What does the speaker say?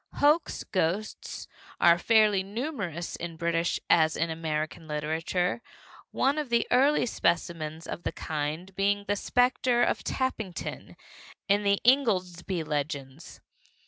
Hoax ghosts are fairly numerous in British as in American literature, one of the early specimens of the kind being The Specter of Tappington in the Ingoldsby Legends.